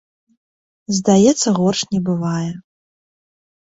Здаецца, горш не бывае.